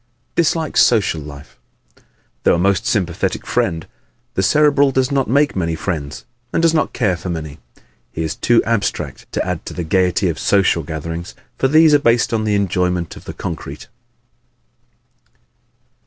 Dislikes Social Life ¶ Though a most sympathetic friend, the Cerebral does not make many friends and does not care for many. He is too abstract to add to the gaiety of social gatherings, for these are based on the enjoyment of the concrete.